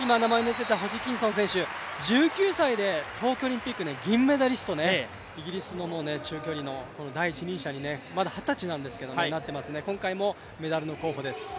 ホジキンソン選手１９歳で東京オリンピック銀メダリスト、イギリスの中距離の第一人者にまだ二十歳なんですけどね、今回もメダルの候補です。